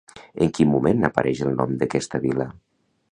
En quin moment apareix el nom d'aquesta vila?